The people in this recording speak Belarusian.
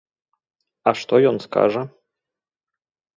А што ён скажа?